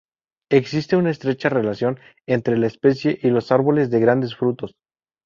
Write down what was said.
Existe una estrecha relación entre la especie y los árboles de grandes frutos.